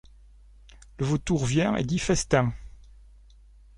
Le vautour vient et dit : festin !